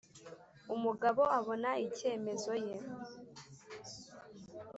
umugabo abona icyemezo ye !